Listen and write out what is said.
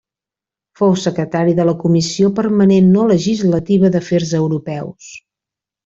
Fou secretari de la Comissió Permanent no legislativa d'Afers Europeus.